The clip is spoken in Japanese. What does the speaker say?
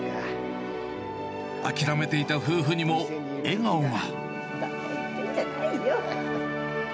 諦めていた夫婦にも、笑顔が。